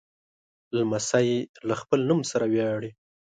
لمسی له خپل نوم سره ویاړي.